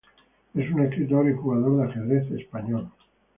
Es un escritor y jugador de ajedrez español.